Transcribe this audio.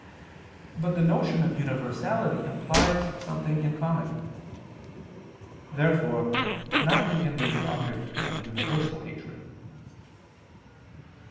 But the notion of universality implies something in common. Therefore nothing can be the object of universal hatred.